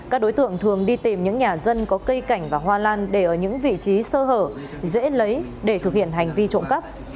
các đối tượng thường đi tìm những nhà dân có cây cảnh và hoa lan để ở những vị trí sơ hở dễ lấy để thực hiện hành vi trộm cắp